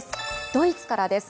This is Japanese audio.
ドイツからです。